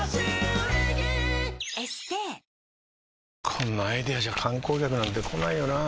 こんなアイデアじゃ観光客なんて来ないよなあ